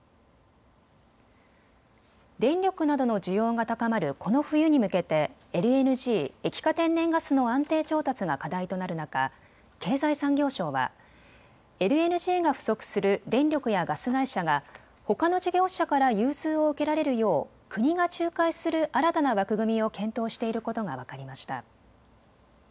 電力などの需要が高まるこの冬に向けてＬＮＧ・液化天然ガスの安定調達が課題となる中、経済産業省はＬＮＧが不足する電力やガス会社がほかの事業者から融通を受けられるよう国が仲介する新たな枠組みを検討していることが分かりました。